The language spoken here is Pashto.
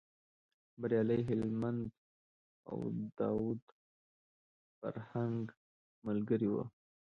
بریالی هلمند او داود فرهنګ ملګري و.